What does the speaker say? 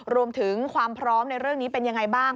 รวมถึงความพร้อมในเรื่องนี้เป็นยังไงบ้าง